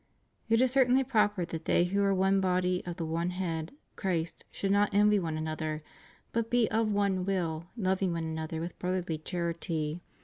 It is certainly proper that they who are one body of the one head Christ should not envy one another, but be of one will, loving one another with brotherly charity.